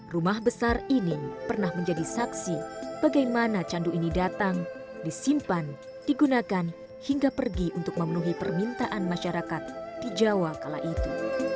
rumah besar ini pernah menjadi saksi bagaimana candu ini datang disimpan digunakan hingga pergi untuk memenuhi permintaan masyarakat di jawa kala itu